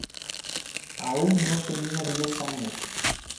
Aún no tenía diez años.